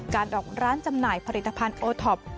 การออกร้านจำหน่ายผลิตภัณฑ์โอท็อป